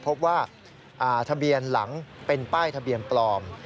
พบว่าทะเบียนหลังเป็นป้ายทะเบียนปลอม